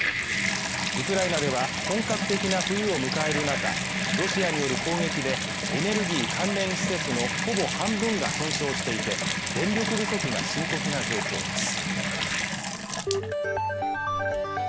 ウクライナでは本格的な冬を迎える中ロシアによる攻撃でエネルギー関連施設のほぼ半分が損傷していて電力不足が深刻な状況です